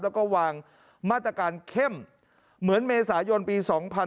แล้วก็วางมาตรการเข้มเหมือนเมษายนปี๒๕๖๒